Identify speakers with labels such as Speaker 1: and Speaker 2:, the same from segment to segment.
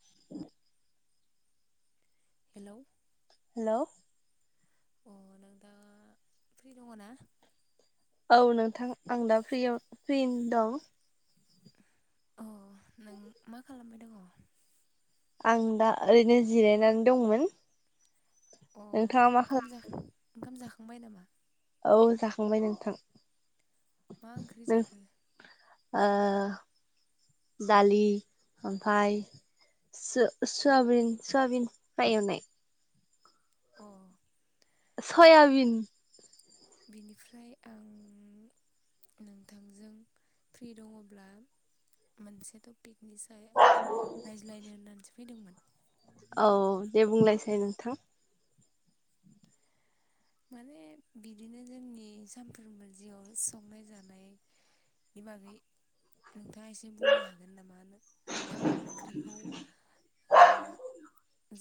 Speaker 1: [inaudible]
Speaker 2: Hello
Speaker 1: hello
Speaker 2: अ नोंथां free दङ' ना?
Speaker 1: औ नोंथां आं दा फ्रियाव फ्रि दं।
Speaker 2: अ नों मा खालामबाय दङ'?
Speaker 1: आं दा ओरैनो जिरायनानै दंमोन।
Speaker 2: अ
Speaker 1: नोंथाङा मा
Speaker 2: ओंखाम जा ओंखाम जा बाय नामा?
Speaker 1: खालाम औ जाखांबाय नोंथां।
Speaker 2: मा ओंख्रि
Speaker 1: नों
Speaker 2: जाखो?
Speaker 1: ओ दालि ओमफ्राय सो सुयाबिन सुयाबिन फ्राय एवनाय।
Speaker 2: अ
Speaker 1: सयाबिन
Speaker 2: बेनिफ्राय आं नोंथांजों फ्रि दङ'ब्ला मोनसे तपि पिकनि सायाव रायज्लायनो होननानैसो फैदोंमोन।
Speaker 1: औ दे बुंलायसाय नोंथां।
Speaker 2: माने बिदिनो जोंनि सानफ्रोमबो जिउआव संनाय जानायनि बागै नोंथाङा एसे बुंनो हागोन नामा मा मा ओंख्रिखौ ओ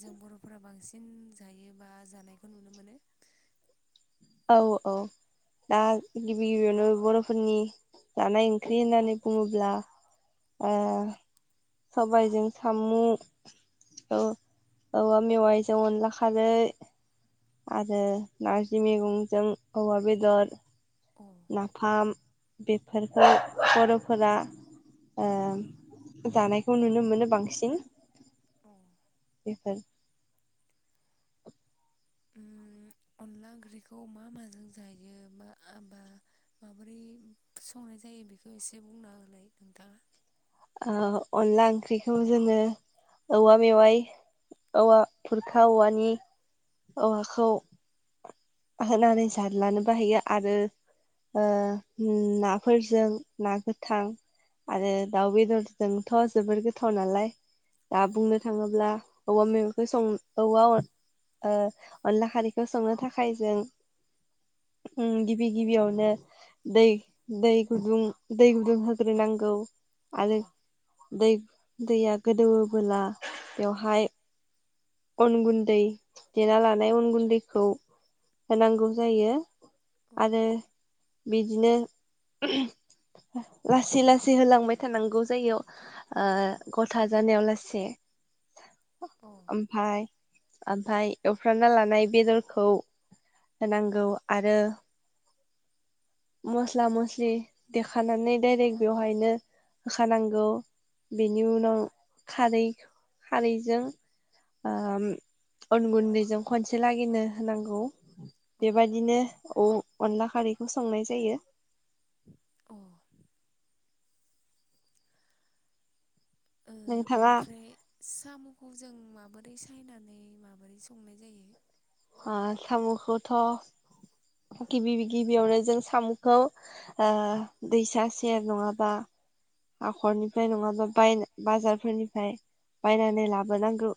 Speaker 2: जों बर'फोरा बांसिन जायो बा जानायखौ नुनो मोनो?
Speaker 1: औ औ दा गिबि गिबियावनो बर'फोरनि जानाय ओंख्रि होननानै बुङोब्ला ओ सबायजों सामु, औ औवा मेवाइजों अनला खारै, आरो नारजि मेगंजों औवा बेदर।
Speaker 2: अ
Speaker 1: नाफाम बेफोरखौ बर'फोरा ओ
Speaker 2: औ
Speaker 1: जानायखौ नुनो मोनो बांसिन।
Speaker 2: अ
Speaker 1: बेफोर
Speaker 2: उम अनला ओंख्रिखौ मा माजों जायो बा माबोरै संनाय जायो बेखौ एसे बुंना होलाय नोंथाङा।
Speaker 1: ओ अनला ओंख्रिखौ जोङो औवा मेवाइ औवा खुरखा औवानि औवाखौ होनानै जादलानोबो हायो आरो ओ उम नाफोरजों ना गोथां आरो दाउ बेदरजोंथ' जोबोर गोथाव नालाय। दा
Speaker 2: औ
Speaker 1: बुंनो थाङोब्ला औवा मैगंखौ सं औवा ओ अनला खारैखौ संनो थाखाय खाय जों गिबि गिबियावनो दै दै गुदुं दै गुदुं होग्रोनांगौ।
Speaker 2: औ
Speaker 1: आरो दै दैया गोदौवोबोला बेवहाय अन गुन्दै देना लानाय अन गुन्दैखौ होनांगौ जायो।
Speaker 2: औ
Speaker 1: आरो बिदिनो लासै लासै होलांबाय थानांगौ जायो ओ गथा जानायाव लासे।
Speaker 2: अ
Speaker 1: ओमफाय ओमफाय एवफ्रानना लानाय बेदरखौ होनांगौ आरो मस्ला मस्लि देखानानै डायरेक्ट बेवहायनो होखानांगौ बेनि उनाव खारै खारैजों ओ अन गुन्दैजों खनसे लागैनो होनांगौ। बेबायदिनो औ- अनला खारैखौ संनाय जायो।
Speaker 2: अ ओ
Speaker 1: नोंथाङा
Speaker 2: बिनिफ्राय सामखौ जों माबोरै सायनानै माबोरै संनाय जायो?
Speaker 1: ओ सामखौथ गिबि गिबियावनो जों सामखौ ओ दैसा सेर नङाबा हाखरनिफ्राय नङाबा बाय बाजारफोरनिफ्राय बायनानै लाबोनांगौ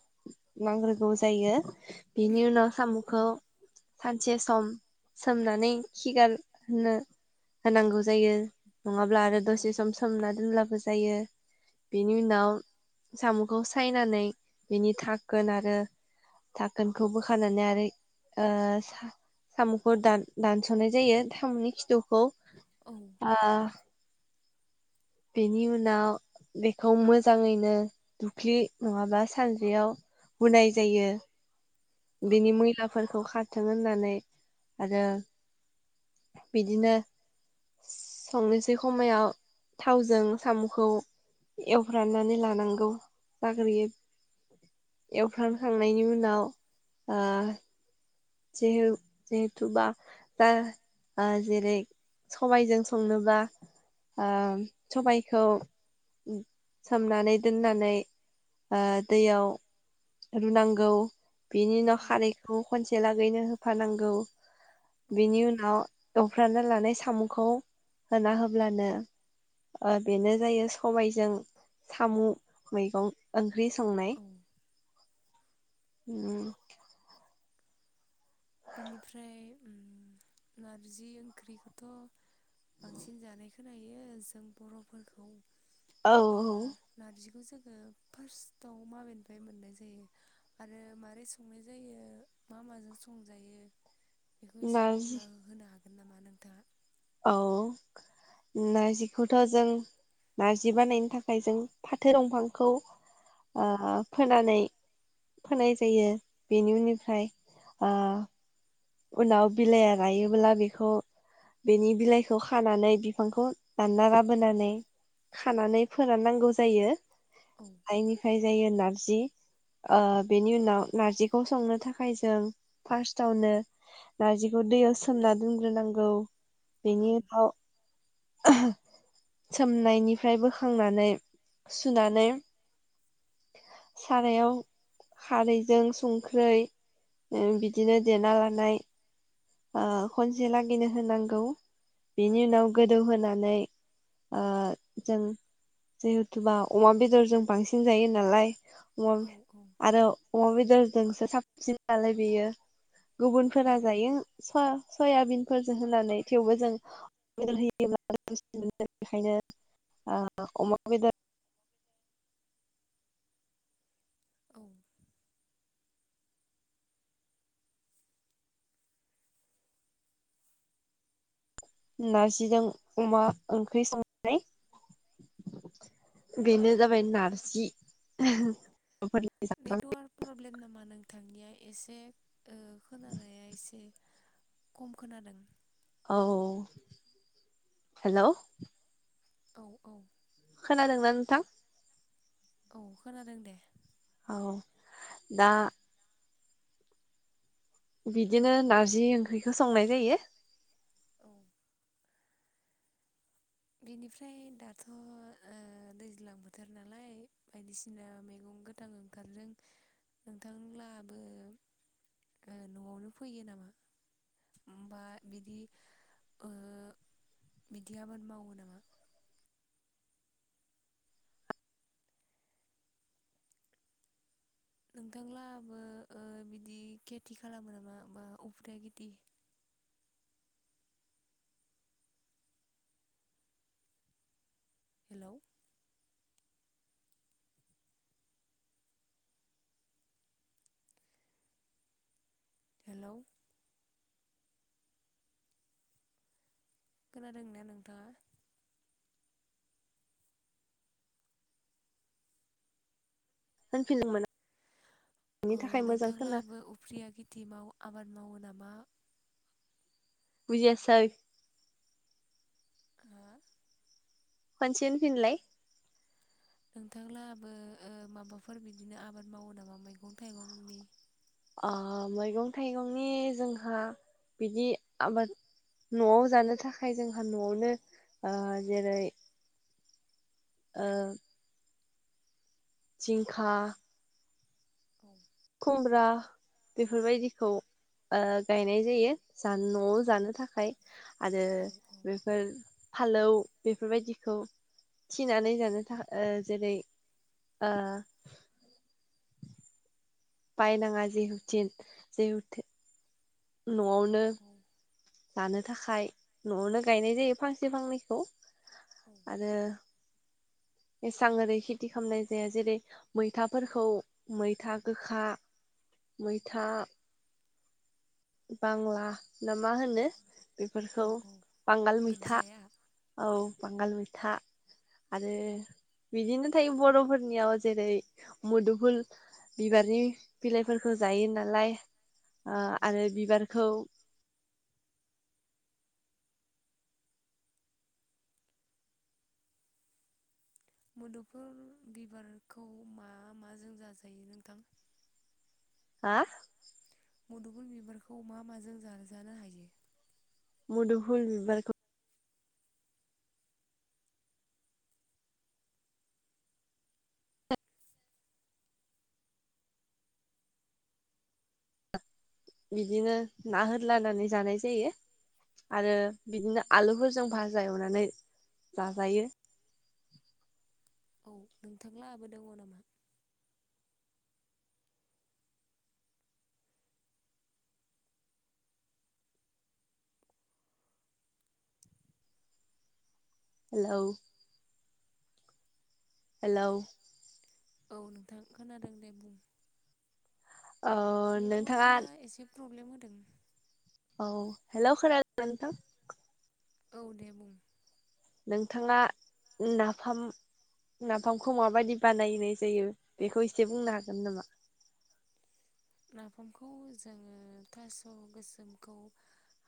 Speaker 1: नांग्रोगौ जायो बेनि उनाव सामुखौ
Speaker 2: उम
Speaker 1: सानसे सम सोमनानै खिगार होनो होनांगौ जायो। नङाब्ला
Speaker 2: औ
Speaker 1: आरो दसे सम सोमना दोनब्लाबो जायो बेनि उनाव सामखौ सायनानै बिनि धाकोन आरो धाकोनखौ बोखानानै आरो ओ सामखौ दान दानसनाय जायो सामनि खिथुखौ।
Speaker 2: औ
Speaker 1: ओ बेनि उनाव बेखौ मोजाङैनो दुख्लि नङाब्ला सानद्रियाव हुनाय जायो।
Speaker 2: औ
Speaker 1: बिनि मैलाफोरखौ खा रथों होननानै आरो बिदिनो संनोसै खमायाव थावजों सामखौ एवफ्रामनानै लानांगौ जाग्रोयो एवफ्रामखांनायनि उनाव जिहे जिहेथुबा बा जेरै सबायजों संनोबा ओ सबायखौ सोमनानै दोननानै ओ दैयाव रुनांगौ बिनि उनाव
Speaker 2: औ
Speaker 1: खारैखौ खनसे लागैनो होखानांगौ।
Speaker 2: औ
Speaker 1: बिनि उनाव एवफ्रामना लानाय सामखौ होना होब्लानो बेनो जायो सबायजों सामु मैगं। ओंख्रि संनाय।
Speaker 2: औ
Speaker 1: उम।
Speaker 2: बिनिफ्राय नारजि ओंख्रिखौथ' बांसिन जानाय खोनायो जों बर'फोरखौ।
Speaker 1: औ औ।
Speaker 2: बेखौ जोङो फार्स्टआव माबेनिफ्राय मोननाय जायो आरो मारै संनाय जायो मा माजों संजायो बेखौ एसे
Speaker 1: नारजि
Speaker 2: बुंना होनो हा गोन नामा नोंथाङा?
Speaker 1: औ नारजिखौथ' जों नारजि बानायनो थाखाय जों फाथो दंफांखौ
Speaker 2: औ
Speaker 1: आ फोनानै फोनाय जायो बेनि उननिफ्राय आ उनाव बिलाइआ गायोब्ला बेखौ बेनि बिलाइखौ खानानै बिफांखौ दानना लाबोनानै खानानै फोराननांगौ जायो।
Speaker 2: औ
Speaker 1: आइनिफ्राय जायो नारजि ओ बेनि उनाव नारजिखौ संनो थाखाय जों फार्स्टआवनो नारजिखौ दैयाव सोमना दोनग्रोनांगौ
Speaker 2: औ
Speaker 1: बेनि हाव [unintelligible] सोमनायनिफ्राय बोखांनानै सुनानै सारायाव खारैजों संख्रै ओं बिदिनो देना लानाय आ खनसे लागिनो होनांगौ बेनि उनाव गोदौहोनानै आ जों जिहेथुबा अमा बेदरजों बांसिन जायो नालाय अमा
Speaker 2: औ औ
Speaker 1: आरो अमा बेदर जोंसो साबसिन नालाय बेयो
Speaker 2: औ
Speaker 1: गुबुनफोरा जायो। सया सयाबिनफोरजो होनानै थेवबो जों [inaudible] बेहायनो आ अमा बेदर नारजिजों अमा ओंख्रि संनाय बेनो
Speaker 2: औ
Speaker 1: जाबाय नारजि फोरनि जाग्रा
Speaker 2: नेटवार्क प्रब्लेम नामा नोंथांनिया एसे? ओ खोनानाया एसे खम खोनादों।
Speaker 1: औ हेलौ।
Speaker 2: औ औ।
Speaker 1: खोनादोंना नोंथां?
Speaker 2: औ खोनादों दे।
Speaker 1: औ दा। बिदिनो नारजि ओंख्रिखौ संनाय जायो।
Speaker 2: औ बेनिफ्राय दाथ' ओ दैज्लां बोथोर नालाय, बायदिसिना मैगं गोथां ओंखारों। नोंथांलाहाबो ओ न'आवनो फोयो नामा? ओमफाय बिदि ओ बिदि आबाद मावो। नामा नोंथांलाबो ओ बिदि खेथि खालामो नामा? ओमफा उफ्रिया गिदि। हेलौ। हेलौ। खोनादों ना नोंथाङा?
Speaker 1: होनफिनलंमोना।
Speaker 2: अ नोंथांलाहाबो उफ्रिया खेथि माव आबाद मावो नामा?
Speaker 1: बुजियासै।
Speaker 2: आ।
Speaker 1: खनसे होनफिनलाय।
Speaker 2: नोंथांलाहाबो ओ माबाफोर बिदिनो आबाद मावो नामा मैगं थाइगंनि?
Speaker 1: अ मैगं थाइगंनि जोंहा बिदि आबाद न'आव जानो थाखाय जोंहा न'आवनो आ जेरै ओ। जिंखा
Speaker 2: औ
Speaker 1: खुमब्रा बेफोरबायदिखौ ओ गायनाय जायो जा न न'आव जानो थाखाय। आरो
Speaker 2: औ औ
Speaker 1: बेफोर फालौ बेफोर बायदिखौ थिनानै जानो थाखाय ओ जेरै ओ। बायनाङा जिेहुथिन जेहु
Speaker 2: औ
Speaker 1: न'आवनो। जानो थाखाय न'आवनो गायनाय जायो फांसे फांनैखौ।
Speaker 2: औ
Speaker 1: आरो एसां ओरै खेथि खालामनाय जाया जेरै मैथाफोरखौ मैथा गोखा मैथा। बांला ना मा होनो? बेफोरखौ
Speaker 2: औ औ
Speaker 1: बांगाल मैथा।
Speaker 2: गोदजाया
Speaker 1: औ बांगाल मैथा, आरो बिदिनो थायो बर'फोरनियाव जेरै मुदुफुल बिबारनि बिलाइफोरखौ जायो नालाय।
Speaker 2: औ औ
Speaker 1: आरो बिबारखौ
Speaker 2: मोदुफुल बिबारखौ मा माजों जा जायो नोंथां?
Speaker 1: हा?
Speaker 2: मुदुफुल बिबारखौ मा माजों जा जानो हायो?
Speaker 1: मुदुफुल बिबारखौ। बिदिनो ना होलनानै जानाय जायो, आरो बिदिनो आलुफोरजों भाजा एवनानै जाजायो।
Speaker 2: औ नोंथांला आबो दङ नामा?
Speaker 1: हेल'। हेल'।
Speaker 2: औ नोंथां खोनादों दे बुं
Speaker 1: औ नोंथाङा
Speaker 2: नेटवर्का एसे प्रब्लेम [inaudible]
Speaker 1: औ हेल' खोना नोंथां।
Speaker 2: औ दे बुं।
Speaker 1: नोंथाङा नाफाम नाफामखौ माबायदि बानायनाय जायो बेखौ इसे बुंनो हागोन नामा।
Speaker 2: नाफामखौ जोङो थास' गोसोमखौ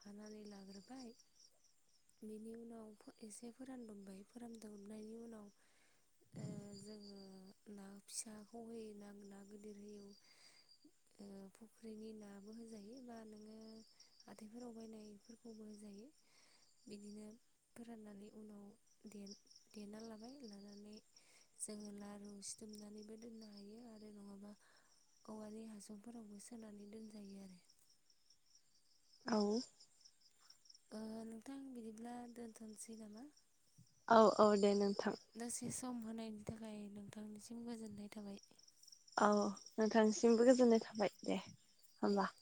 Speaker 2: हानानै लाग्रोबाय बेनि उनाव एसे फोरानदुमबाय फोरानदुमनायनि उनाव ओ जोङो ना फिसाखौ होय ना ना गिदिर होयो फुख्रिनि नाबो होजायो बा नोङो हाथायफोराव बायनायफोरखौबो होजायो बिदिनो फोराननानै उनाव देना लाबाय लानानै जोङो लारु सिथुमनानैबो दोननो हायो आरो नङाबा औवानि हासुं बिजौफोरावबो सोनानै दोनजायो आरो।
Speaker 1: औ।
Speaker 2: ओ नोंथां बिदिब्ला दोनथ'नोसै नामा।
Speaker 1: औ औ दे नों
Speaker 2: दसे सम। सम होनायनि थाखाय नोंथांनिसिम गोजोन्नाय थाबाय।
Speaker 1: औ नोंथांसिमबो गोजोननाय थाबाय दे।
Speaker 2: दे।
Speaker 1: होमबा। [inaudible]